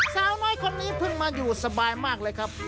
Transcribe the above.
สาวน้อยคนนี้เพิ่งมาอยู่สบายมากเลยครับ